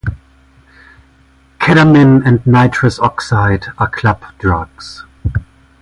Ketamine and nitrous oxide are club drugs.